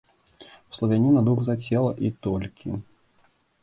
У славяніна дух за цела, і толькі.